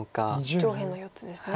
上辺の４つですね。